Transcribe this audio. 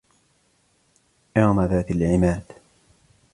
إِرَمَ ذَاتِ الْعِمَادِ